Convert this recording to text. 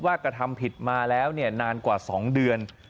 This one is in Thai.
กระทำผิดมาแล้วนานกว่า๒เดือน